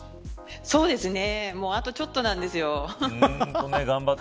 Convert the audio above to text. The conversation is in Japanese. もうあとちょっとなんですよ。